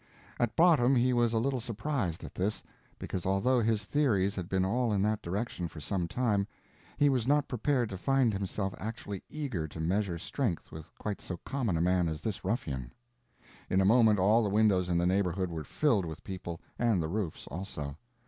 At bottom he was a little surprised at this, because although his theories had been all in that direction for some time, he was not prepared to find himself actually eager to measure strength with quite so common a man as this ruffian. In a moment all the windows in the neighborhood were filled with people, and the roofs also.